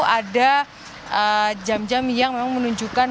ada jam jam yang memang menunjukkan